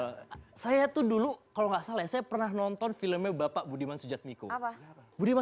hai saya tuh dulu kalau nggak salah saya pernah nonton filmnya bapak budiman sujarwiko apa budiman